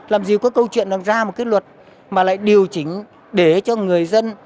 làm gì có câu chuyện ra một luật mà lại điều chỉnh để cho người dân